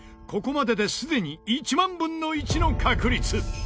ここまでですでに１万分の１の確率